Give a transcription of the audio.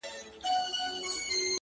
زما پر مخ بــانــدي د اوښــــــكــــــو،